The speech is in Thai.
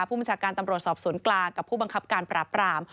ผู้บัญชาการตำรวจสอบสวนกลางกับผู้บังคับการปราบราม